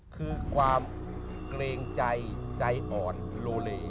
คือความเกรงใจใจอ่อนโลเล